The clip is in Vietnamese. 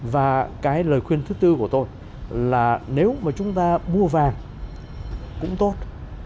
và cái lời khuyên thứ tư của tôi là nếu mà chúng ta mua vàng cũng tốt